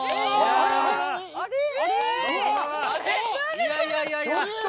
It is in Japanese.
いやいやいやいや。